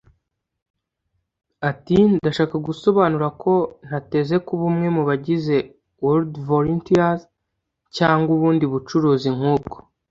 Ati “Ndashaka gusobanura ko ntateze kuba umwe mu bagize World Ventures cyangwa ubundi bucuruzi nk’ubwo